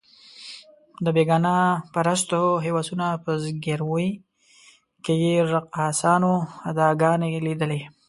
د بېګانه پرستو هوسونو په ځګیروي کې یې رقاصانو اداګانې لیدلې.